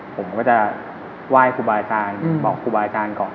ผมก็จะไหว้ครูบาอาจารย์บอกครูบาอาจารย์ก่อน